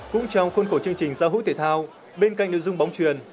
cũng trong khuôn khổ chương trình giao hữu thể thao bên cạnh nội dung bóng truyền